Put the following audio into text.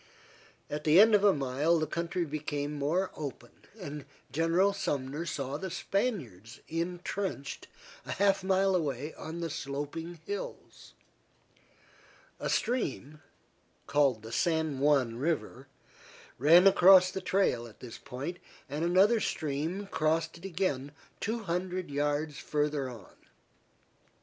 At the end of a mile the country became more open, and General Sumner saw the Spaniards intrenched a half mile away on the sloping hills. A stream, called the San Juan River, ran across the trail at this point, and another stream crossed it again two hundred yards farther on.